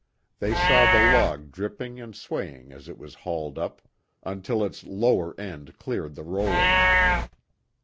They saw the log dripping and swaying as it was hauled up until its lower end cleared the rollers.